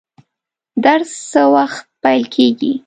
درس څه وخت پیل کیږي؟